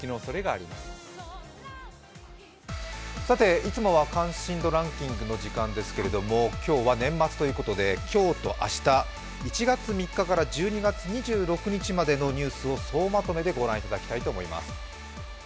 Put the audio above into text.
いつもは関心度ランキングの時間ですけれども、今日は年末ということで今日と明日、１月３日から１２月２６日までのニュースを総まとめでご覧いただきたいと思います。